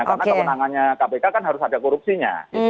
karena kewenangannya kpk kan harus ada korupsinya